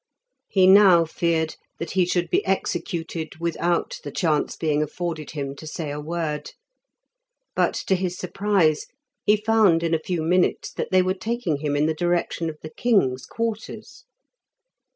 He now feared that he should be executed without the chance being afforded him to say a word; but, to his surprise, he found in a few minutes that they were taking him in the direction of the king's quarters.